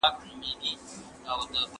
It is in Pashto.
يو انسان په کوڅې کي ګرځي.